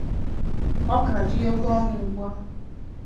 ọka dị oke ọnụ ugbu a